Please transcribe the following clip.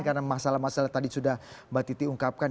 karena masalah masalah tadi sudah mbak titi ungkapkan